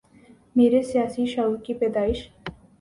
میرے سیاسی شعور کی پیدائش